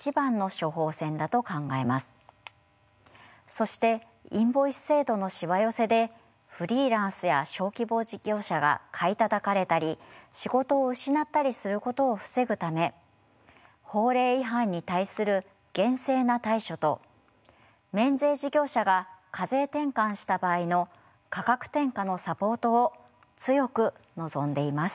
そしてインボイス制度のしわ寄せでフリーランスや小規模事業者が買いたたかれたり仕事を失ったりすることを防ぐため法令違反に対する厳正な対処と免税事業者が課税転換した場合の価格転嫁のサポートを強く望んでいます。